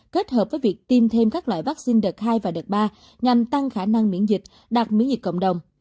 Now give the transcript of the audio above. kết hợp với việc tiêm thêm các loại vaccine đợt hai và đợt ba nhằm tăng khả năng miễn dịch đạt miễn dịch cộng đồng